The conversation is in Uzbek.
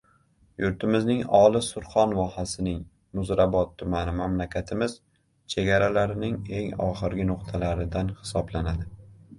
Yurtimizning olis Surxon vohasining Muzrabot tumani mamlakatimiz chegaralarining eng oxirgi nuqtalaridan hisoblanadi.